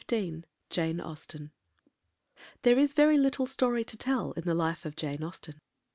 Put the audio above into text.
XV JANE AUSTEN THERE is very little story to tell in the life of Jane Austen.